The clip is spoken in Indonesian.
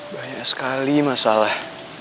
banyak sekali masalah